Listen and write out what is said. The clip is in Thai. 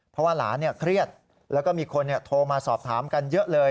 เพราะว่าหลานเครียดแล้วก็มีคนโทรมาสอบถามกันเยอะเลย